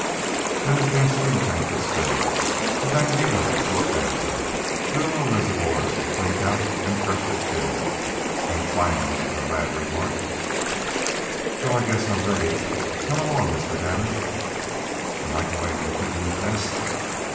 Then the gasoline tank was filled, the magneto was looked after, the oil reservoirs were cleaned out and freshly filled, and finally the lad remarked: "Well, I guess I'm ready. Come along, Mr. Damon." "Am I going with you in the test?"